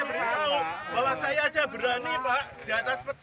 saya beri tahu bahwa saya saja berani pak